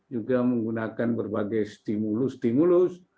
juga menggunakan berbagai stimulus stimulus